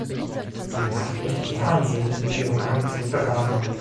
Sie macht mich wahnsinnig mit ihrem Hang zum Drama!